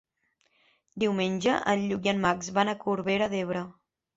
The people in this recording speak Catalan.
Diumenge en Lluc i en Max van a Corbera d'Ebre.